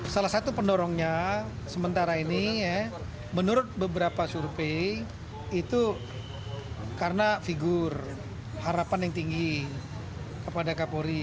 salah satu pendorongnya sementara ini menurut beberapa survei itu karena figur harapan yang tinggi kepada kapolri